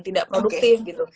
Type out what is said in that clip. tidak produktif gitu